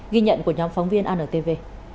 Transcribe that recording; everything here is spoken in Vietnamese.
ghi nhận của nhóm phóng viên antv